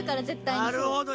なるほど。